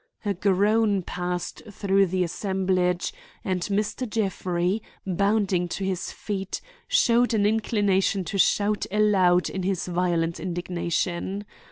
A groan passed through the assemblage, and Mr. Jeffrey, bounding to his feet, showed an inclination to shout aloud in his violent indignation.